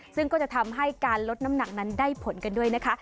ซึ่งก็จะทำให้การลดน้ำหนักนั้นได้ผลกันด้วยนะคะ